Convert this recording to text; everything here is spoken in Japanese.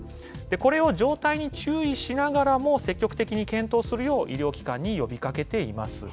これを常態に注意しながらも、積極的に検討するよう、医療機関に呼びかけています。